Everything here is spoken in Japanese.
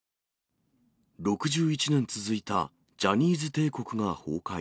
６１年続いたジャニーズ帝国